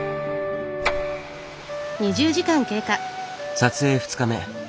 撮影２日目。